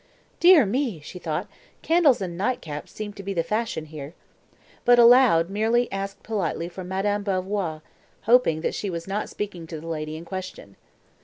"Dear me!" she thought, "candles and nightcaps seem to be the fashion here;" but aloud, merely asked politely for Madame Belvoir, hoping that she was not speaking to the lady in question.